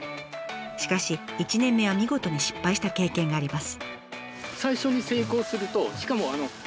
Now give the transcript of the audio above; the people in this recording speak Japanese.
しかし１年目は見事に失敗した経験があります。